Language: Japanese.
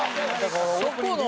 そこの。